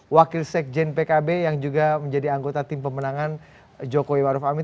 wakil sekjen pkb yang juga menjadi anggota tim pemenangan jokowi maruf amin